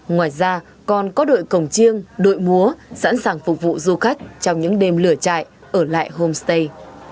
ngoài ra còn có đội cổng chiêng đội múa sẵn sàng phục vụ du khách trong những đêm lửa chạy ở lại homestay